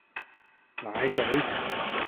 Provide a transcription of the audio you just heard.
奶水